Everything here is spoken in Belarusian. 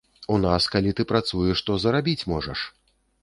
У нас, калі ты працуеш, то зарабіць можаш.